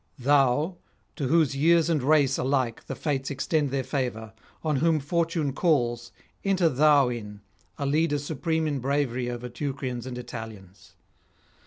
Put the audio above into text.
Thou, to whose years and race alike the fates extend their favour, on whom fortune calls, enter thou in, a leader supreme in bravery over Teucrians and Italians.